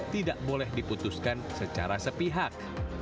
tidak boleh diputuskan secara sepihak